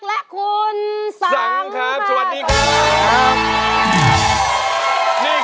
และคุณสัง